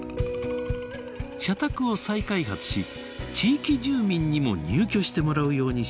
社宅を再開発し地域住民にも入居してもらうようにしました。